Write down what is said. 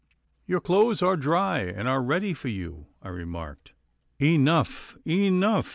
'Your clothes are dry and are ready for you,' I remarked. 'Enough! enough!